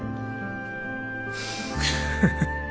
フフフフ。